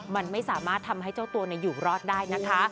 มันไม่สามารถทำให้เจ้าตัวอยู่รอดได้นะคะ